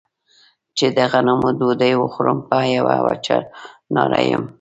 چې د غنمو ډوډۍ وخورم په يوه وچه ناره يم.